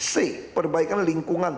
c perbaikan lingkungan